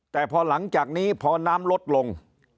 แต่พอหลังจากนี้พอน้ำลดลง